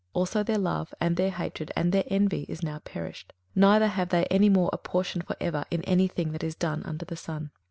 21:009:006 Also their love, and their hatred, and their envy, is now perished; neither have they any more a portion for ever in any thing that is done under the sun.